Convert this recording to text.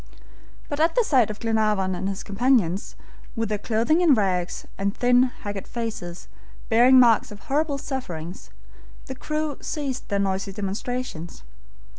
But at the sight of Glenarvan and his companions, with their clothing in rags, and thin, haggard faces, bearing marks of horrible sufferings, the crew ceased their noisy demonstrations.